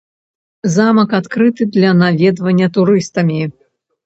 Замак адкрыты для наведвання турыстамі.